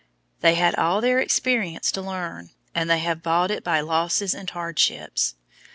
They had all their experience to learn, and they have bought it by losses and hardships.